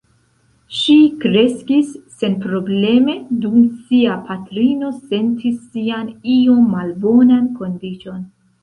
Ŝi kreskis senprobleme dum sia patrino sentis sian iom malbonan kondiĉon.